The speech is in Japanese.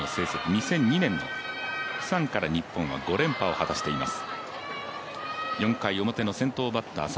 ２００２年のプサンから日本は５連覇を果たしています。